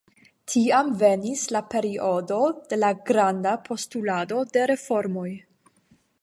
Tiam venis la periodo de la granda postulado de reformoj.